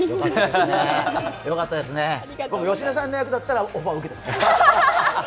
よかったですね、僕、芳根さんの役だったらオファーを受けていました。